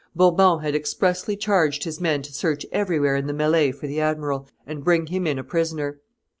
Bourbon had expressly charged his men to search everywhere in the melley for the admiral, and bring him in a prisoner.